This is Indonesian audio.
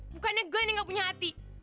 bukannya glenn yang nggak punya hati